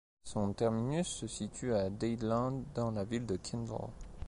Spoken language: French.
Son terminus se situe à Dadeland dans la ville de Kendall.